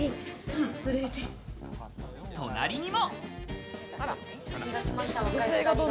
隣にも。